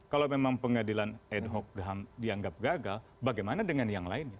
kalau memang pengadilan ad hoc ham dianggap gagal bagaimana dengan yang lainnya